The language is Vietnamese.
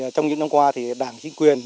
trong những năm qua đảng chính quyền